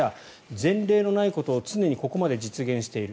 前例のないことを常にここまで実現している。